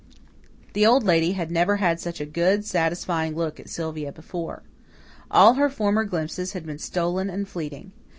The Old Lady had never had such a good, satisfying look at Sylvia before. All her former glimpses had been stolen and fleeting.